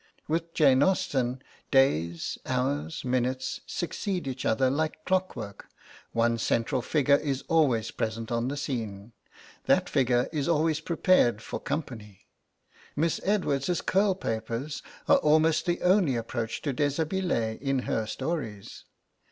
With Jane Austen days, hours, minutes succeed each other like clockwork, one central figure is always present on the scene, that figure is always prepared for company. Miss Edwards's curl papers are almost the only approach to dishabille in her stories.